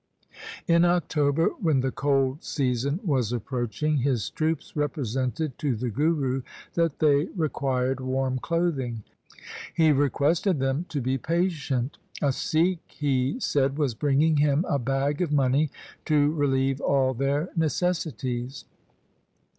In October, when the cold season was approaching, his troops represented to the Guru that they re quired warm clothing. He requested them to be patient. A Sikh, he said, was bringing him a bag of money to relieve all their necessities.